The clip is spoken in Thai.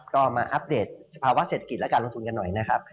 ก็มาอัปเดตสภาวะเศรษฐกิจและการลงทุนกันหน่อยนะครับ